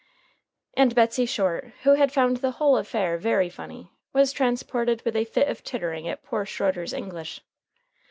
And Betsey Short, who had found the whole affair very funny, was transported with a fit of tittering at poor Schroeder's English.